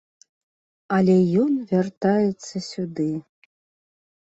Але ён вяртаецца сюды.